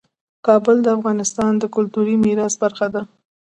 کابل د افغانستان د کلتوري میراث برخه ده.